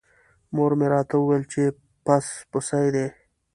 مور مې راته وویل چې پس پسي دی.